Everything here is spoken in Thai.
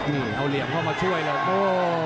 นี่เอาเหลี่ยมเข้ามาช่วยเลยโบ้